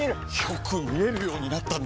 よく見えるようになったんだね！